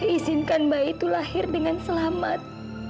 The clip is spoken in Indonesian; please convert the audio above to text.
izinkan bayi itu lahir dengan selamat